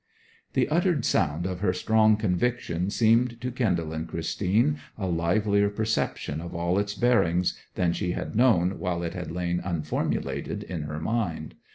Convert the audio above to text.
The uttered sound of her strong conviction seemed to kindle in Christine a livelier perception of all its bearings than she had known while it had lain unformulated in her mind.